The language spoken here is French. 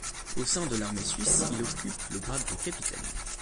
Au sein de l'armée suisse, il occupe le grade de capitaine.